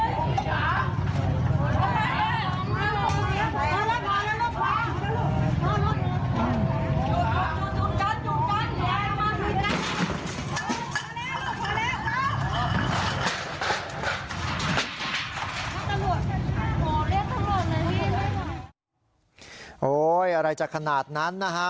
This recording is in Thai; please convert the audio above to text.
โอ้โหอะไรจะขนาดนั้นนะฮะ